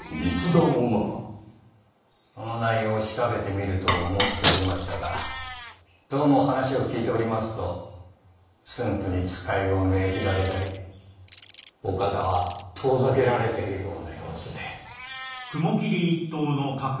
その内容を調べてみると申しておりましたがどうも話を聞いておりますと駿府に使いを命じられたり岡田は遠ざけられているような様子で。